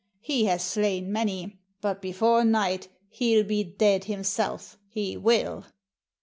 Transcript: He has slain many, but before night he '11 be dead himself, he will."